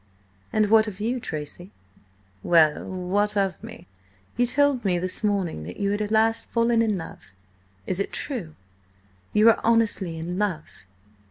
"And what of you, Tracy?" "Well? What of me?" "You told me this morning that you had at last fallen in love. It is true? You are honestly in love?"